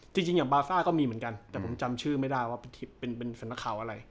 ที่จริงอย่างบาซ่าก็มีเหมือนกันแต่ผมจำชื่อไม่ได้ว่าเป็นเป็นเป็นสัญลักษณ์อะไร